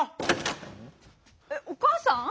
えっおかあさん。